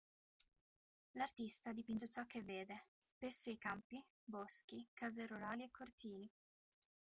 L'artista dipinge ciò che vede, spesso i campi, boschi, case rurali e cortili.